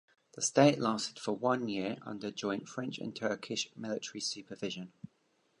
The State lasted for one year under joint French and Turkish military supervision.